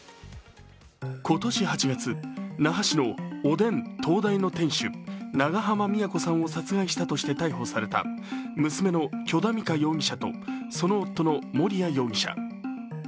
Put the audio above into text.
今年８月、那覇市のおでん東大の店主・長濱美也子さんを殺害したとして逮捕された娘の許田美香容疑者とその夫の盛哉容疑者。